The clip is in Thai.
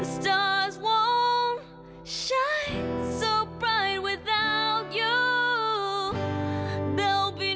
สวัสดีครับ